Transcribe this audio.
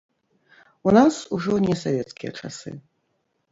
У нас ужо не савецкія часы.